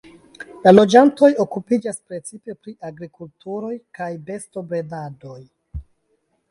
La loĝantoj okupiĝas precipe pri agrikulturoj kaj bestobredadoj.